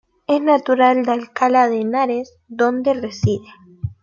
Es natural de Alcalá de Henares, donde reside.